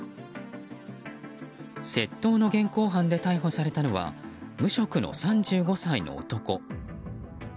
窃盗の現行犯で逮捕されたのは無職の３５歳の男。